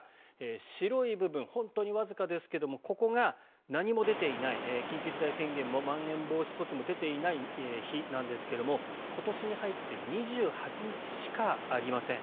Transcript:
白い部分本当にわずかですけどここが何も出ていない緊急事態宣言もまん延防止措置も出ていない日なんですが今年に入って２８日しかありません。